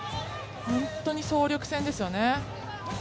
本当に総力戦ですよね。